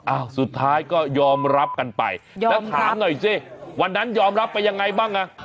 อ้าวสุดท้ายก็ยอมรับกันไปแล้วถามหน่อยสิวันนั้นยอมรับไปยังไงบ้างอ่ะ